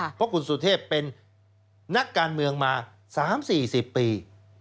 เพราะคุณสุเทพเป็นนักการเมืองมา๓๔๐ปี